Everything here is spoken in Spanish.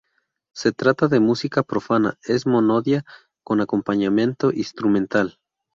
Se trata de música profana, es monodia con acompañamiento instrumental.